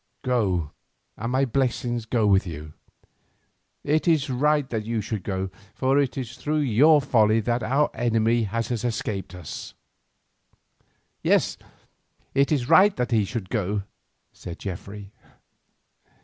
Go, and my blessing go with you. It is right that you should go, for it is through your folly that our enemy has escaped us." "Yes, it is right that he should go," said Geoffrey.